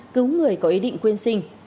cứu người có ý định khuyên sinh